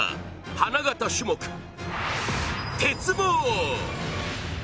花形種目・鉄棒。